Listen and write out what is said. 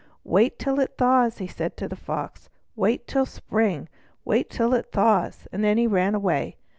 "Wait till it thaws," he said to the Fox. "Wait till the spring. Wait till it thaws!" and then he ran away.